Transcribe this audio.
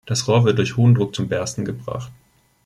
Das Rohr wird durch hohen Druck zum Bersten gebracht.